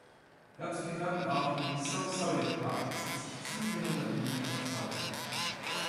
Dazu gehörten auch die "So-Solid"-Parties, die sich zunehmender Beliebtheit erfreuten.